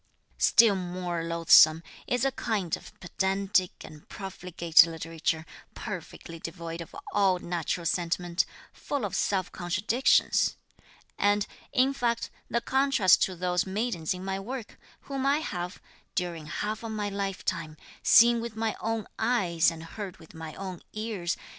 "Still more loathsome is a kind of pedantic and profligate literature, perfectly devoid of all natural sentiment, full of self contradictions; and, in fact, the contrast to those maidens in my work, whom I have, during half my lifetime, seen with my own eyes and heard with my own ears.